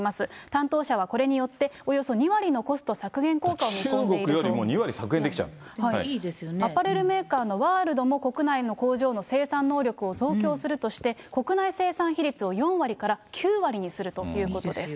担当者はこれによっておよそ２割中国よりも２割削減できちゃアパレルメーカーのワールドも国内の工場の生産能力を増強するとして、国内生産比率を４割から９割にするということです。